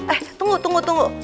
eh tunggu tunggu tunggu